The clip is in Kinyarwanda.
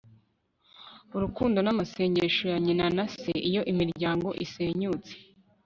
urukundo n'amasengesho ya nyina na se. iyo imiryango isenyutse